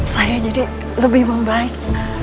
saya jadi lebih membaik